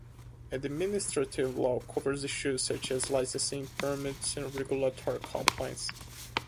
Administrative law covers issues such as licensing, permits, and regulatory compliance.